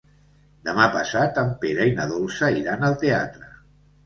Demà passat en Pere i na Dolça iran al teatre.